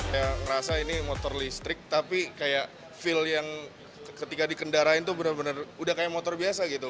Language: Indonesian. saya merasa ini motor listrik tapi kayak feel yang ketika dikendarain itu benar benar sudah kayak motor biasa gitu